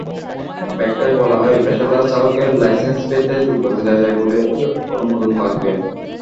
ব্যাখ্যায় বলা হয়, পেশাদার চালকের লাইসেন্স পেতে যোগ্যতা যাচাই বোর্ডের অনুমোদন লাগবে।